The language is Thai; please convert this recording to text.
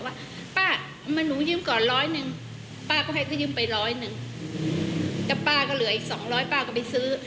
ชัดนั้นน่ะป้าซื้อมา๔ใบ